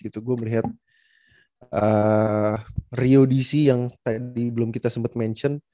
gue melihat rio dc yang tadi belum kita sempat mention